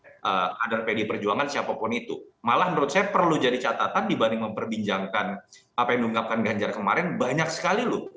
jadi menurut saya kader pdi perjuangan siapapun itu malah menurut saya perlu jadi catatan dibanding memperbincangkan apa yang diungkapkan ganjar kemarin banyak sekali lho